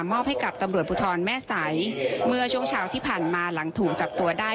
อบให้กับตำรวจภูทรแม่ใสเมื่อช่วงเช้าที่ผ่านมาหลังถูกจับตัวได้